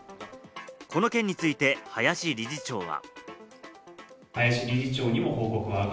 この件について林理事長は。